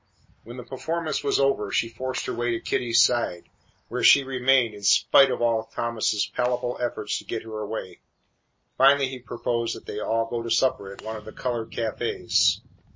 When the performance was over she forced her way to Kitty's side, where she remained in spite of all Thomas's palpable efforts to get her away. Finally he proposed that they all go to supper at one of the coloured cafes.